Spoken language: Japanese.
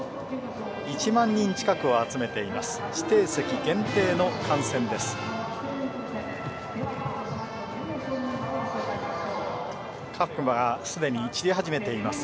１万人近くを集めています。